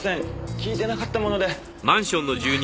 聞いてなかったもので。